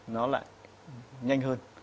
nó lại nhanh hơn